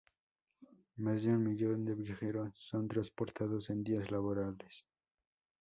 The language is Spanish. Más de un millón de viajeros son transportados en días laborables.